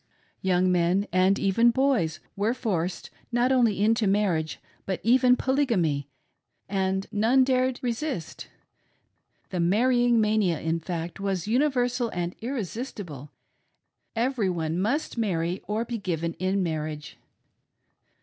Young men, and even boys, were forced, not only into marriage, but even Tolygamy, and none dared resist. The marrying mania, in fact, was universal and irresistible — every one must marry or be given in marriage.